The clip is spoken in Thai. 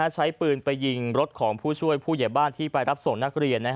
ใช้ปืนไปยิงรถของผู้ช่วยผู้ใหญ่บ้านที่ไปรับส่งนักเรียน